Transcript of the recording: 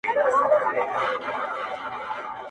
په خپلو لپو کي خپل خدای ته زما زړه مات ولېږه